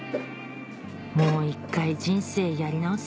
「もう１回人生やり直